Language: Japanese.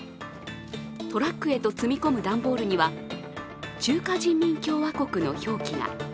トラックへと積み込む段ボールには中華人民共和国の表記が。